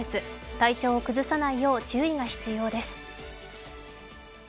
体調を崩さないよう注意が必要です。